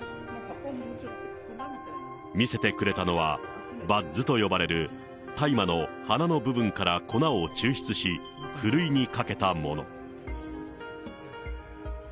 見せてくれたのは、バッズと呼ばれる大麻の花の部分から粉を抽出し、ふるいにかけたもの。